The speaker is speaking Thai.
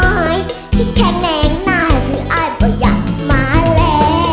ที่แข็งแนงนายคืออายบอกอยากมาแล